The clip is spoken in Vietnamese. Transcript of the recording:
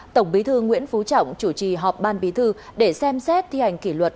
tổng bí thư nguyễn phú trọng chủ trì họp ban bí thư để xem xét thi hành kỷ luật